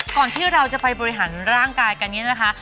ที่เราจะไปบริหารร่างกายกันนี้นะคะ